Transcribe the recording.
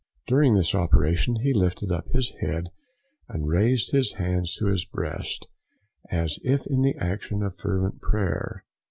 During this operation he lifted up his head and raised his hands to his breast, as if in the action of fervent prayer.